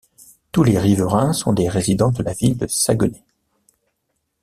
Tous les riverains sont des résidents de la ville de Saguenay.